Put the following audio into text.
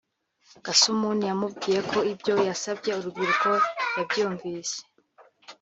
Gasumuni yamubwiye ko ibyo yasabye urubyiruko yabyumvise